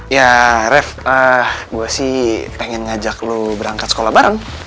ya ref gue sih pengen ngajak lo berangkat sekolah bareng